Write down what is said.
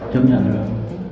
chấp nhận được